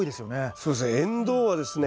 そうですね。